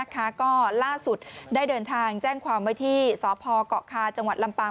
ก็ล่าสุดได้เดินทางแจ้งความไว้ที่สพเกาะคาจังหวัดลำปาง